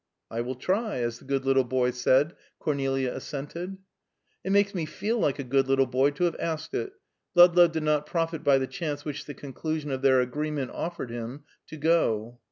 "I will try, as the good little boy said," Cornelia assented. "It makes me feel like a good little boy to have asked it." Ludlow did not profit by the chance which the conclusion of their agreement offered him, to go.